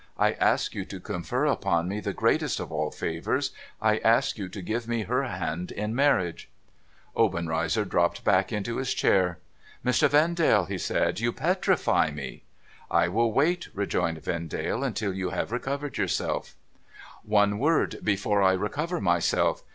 ' I ask you to confer upon me the greatest of all favours — I ask you to give me her hand in marriage.' Obenreizer dropped back into his chair. ' Mr. Vendale,' he said, ' you petrify me.' 'I will wait,' rejoined Vendale, 'until you have recovered your self.' ' One word before I recover myself.